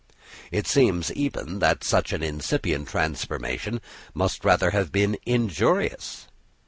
It seems, even, that such an incipient transformation must rather have been injurious."